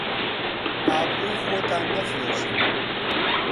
ئابڕووی خۆتان مەفرۆشن